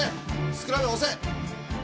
スクラム押せ。